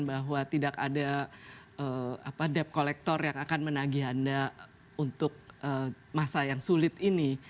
bahwa tidak ada debt collector yang akan menagih anda untuk masa yang sulit ini